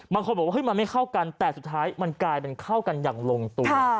บางคนบอกว่ามันไม่เข้ากันแต่สุดท้ายมันกลายเป็นเข้ากันอย่างลงตัว